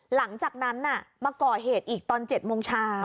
หลังจากนั้นมาก่อเหตุอีกตอน๗โมงเช้า